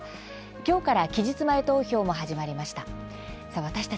きょうから期日前投票も始まりました。